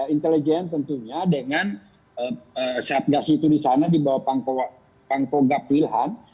intelijen tentunya dengan satgas itu disana dibawah pangkong gapil ham